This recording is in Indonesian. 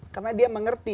karena dia mengerti